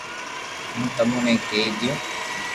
ھون تموني ڪئي ديو